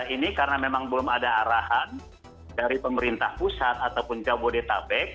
ini karena memang belum ada arahan dari pemerintah pusat ataupun jabodetabek